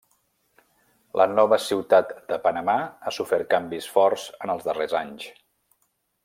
La nova ciutat de Panamà ha sofert canvis forts en els darrers anys.